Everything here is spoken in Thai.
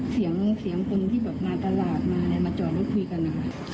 เสียงคนที่แบบมาตลาดมาจอดมาคุยกันนะค่ะ